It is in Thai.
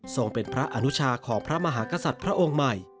เป็นพระอนุชาของพระมหากษัตริย์พระองค์ใหม่